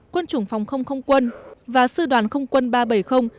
quân chủng phòng không không quân và sư đoàn không quân ba trăm bảy mươi